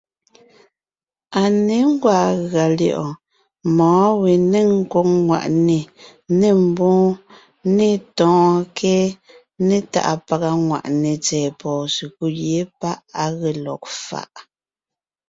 À ně gwàa gʉa lyɛ̌ʼɔɔn mɔ̌ɔn we nêŋ nkwòŋ ŋweʼe, nê mbwóon, nê tɔ̌ɔnkě né tàʼa pàga ŋwàʼne tsɛ̀ɛ pɔ̀ɔn sekúd yé páʼ à ge tó lɔg faʼ.